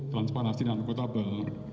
transparansi dan kutabel